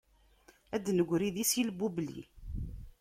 Ad d-negri di silbubli.